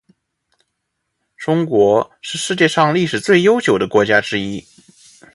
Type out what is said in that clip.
中国是世界上历史最悠久的国家之一。